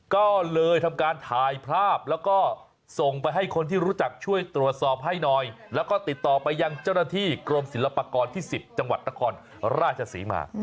ก็เลยทำการถ่ายภาพแล้วก็ส่งไปให้คนที่รู้จักช่วยตรวจสอบให้หน่อยแล้วก็ติดต่อไปยังเจ้าหน้าที่กรมศิลปากรที่๑๐จังหวัดนครราชศรีมา